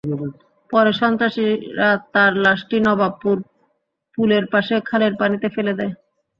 পরে সন্ত্রাসীরা তাঁর লাশটি নবাবপুর পুলের পাশে খালের পানিতে ফেলে দেয়।